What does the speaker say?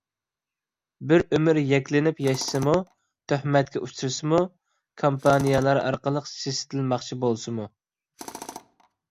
بىر ئۆمۈر يەكلىنىپ ياشىسىمۇ، تۆھمەتكە ئۇچرىسىمۇ، كامپانىيالار ئارقىلىق سېسىتىلماقچى بولسىمۇ.